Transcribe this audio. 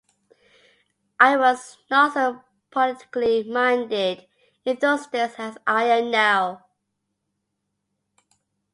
I was not so politically minded in those days as I am now.